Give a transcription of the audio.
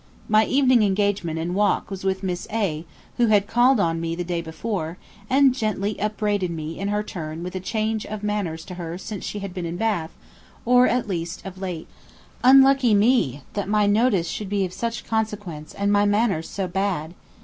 My evening engagement and walk was with Miss A., who had called on me the day before, and gently upbraided me in her turn with a change of manners to her since she had been in Bath, or at least of late. Unlucky me! that my notice should be of such consequence, and my manners so bad!